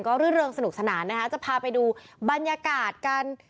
ก็รื่นเริงสนุกสนานนะคะจะพาไปดูบรรยากาศกัน